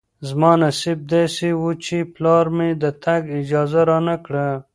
زما نصیب داسې و چې پلار مې د تګ اجازه رانه کړه.